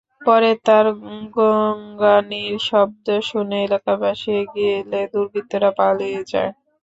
পরে তাঁর গোঙানির শব্দ শুনে এলাকাবাসী এগিয়ে এলে দুর্বৃত্তরা পালিয়ে যায়।